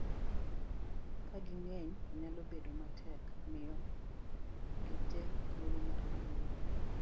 ka ging'eny to nyalo bedo matek miyo gite thuolo mar wuoyo